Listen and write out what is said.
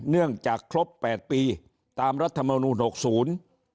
เนื่องจากครบ๘ปีตามรัฐมนุน๖๐